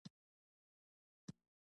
پینځلسم فصل پیلېږي او نوي مطالب پکې راځي.